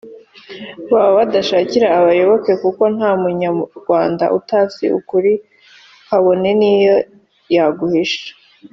baba badushakira abayoboke kuko nta munyarwanda utazi ukuri kabone niyo yaguhisha